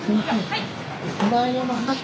はい。